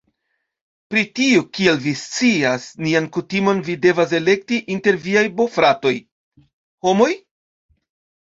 Pro tio, kiel vi scias nian kutimon vi devas elekti inter viaj bofratoj. Homoj?